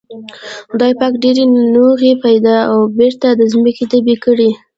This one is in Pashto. خدای پاک ډېر نوغې پيدا او بېرته د ځمکې تبی کړې.